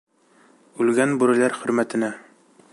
Үлгән бүреләр хөрмәтенә...